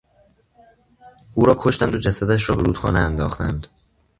او را کشتند و جسدش را به رودخانه انداختند.